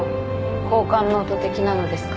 交換ノート的なのですか？